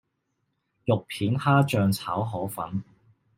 肉片蝦醬炒河粉